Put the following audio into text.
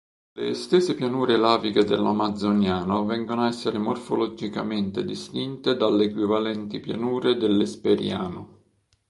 Le estese pianure laviche dell'Amazzoniano vengono a essere morfologicamente distinte dalle equivalenti pianure dell'Esperiano.